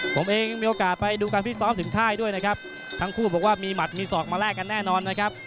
ผมเองมีโอกาสไปดูการฟิตซ้อมถึงค่ายด้วยนะครับทั้งคู่บอกว่ามีหัดมีศอกมาแลกกันแน่นอนนะครับ